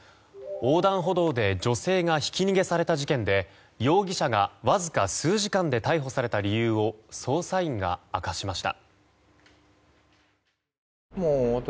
横断歩道で女性がひき逃げされた事件で容疑者がわずか数時間で逮捕された理由を捜査員が明かしました。